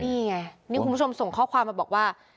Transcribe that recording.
นี่ไงนี่คุณผู้ชมส่งข้อความมาบอกว่า